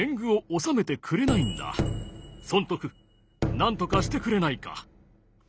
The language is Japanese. なんとかしてくれないか？